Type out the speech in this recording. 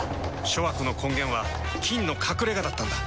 諸悪の根源は「菌の隠れ家」だったんだ。